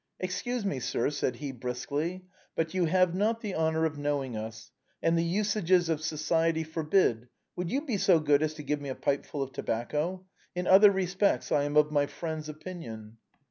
" Excuse me, sir," said he briskly, " but you have not the honor of knowing us ; and the usages of society forbid — would you be so good as to give me a pipeful of tobacco ? In other respects I am of my friends' opinion."